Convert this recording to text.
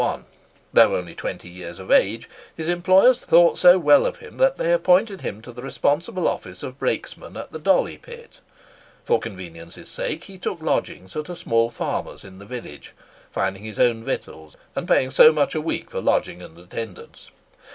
Though only twenty years of age, his employers thought so well of him that they appointed him to the responsible office of brakesman at the Dolly Pit. For convenience' sake, he took lodgings at a small farmer's in the village, finding his own victuals, and paying so much a week for lodging and attendance.